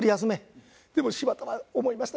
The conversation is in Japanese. でも柴田は思いました。